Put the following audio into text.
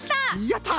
やった！